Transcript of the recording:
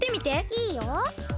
いいよ？